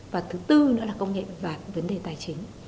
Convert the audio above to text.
và thứ tư nữa là công nghệ và vấn đề tài chính